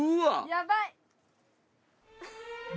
やばい！